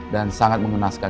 dan sangat mengenaskan